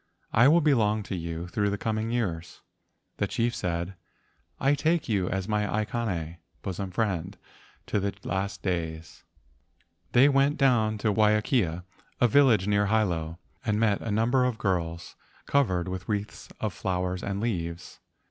I will belong to you through the coming years." The chief said, "I take you as my aikane [bosom friend] to the last days." They went down to Waiakea, a village near Hilo, and met a number of girls covered with wreaths of flowers and leaves.